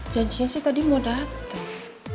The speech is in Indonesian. janjinya sih tadi mau datang